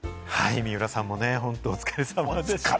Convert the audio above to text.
水卜さんも本当、お疲れさまでした。